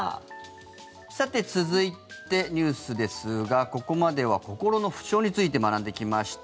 さて、続いてニュースですがここまでは心の不調について学んできました。